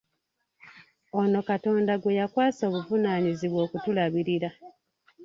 Ono Katonda gwe yakwasa obuvunaanyizibwa okutulabirira.